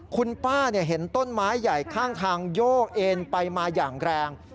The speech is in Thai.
คุณป้าเห็นต้นไม้ใหญ่ข้างทางโยกเอ็นไปมาอย่างแรง